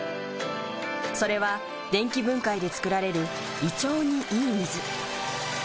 それは電気分解で作られる胃腸にいい水。